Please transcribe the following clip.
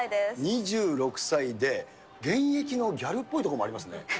２６歳で、現役のギャルっぽいところもありますね。